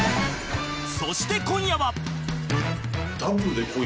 そして今夜は